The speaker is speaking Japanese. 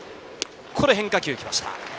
変化球来ました。